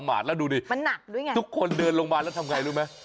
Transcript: มันหนักด้วยไงทุกคนเดินลงมาแล้วทำไงรู้ไหม